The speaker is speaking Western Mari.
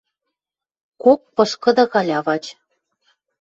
Кок пышкыды калявач